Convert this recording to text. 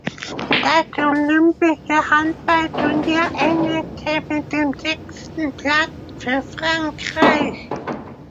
Das Olympische Handballturnier endete mit dem sechsten Platz für Frankreich.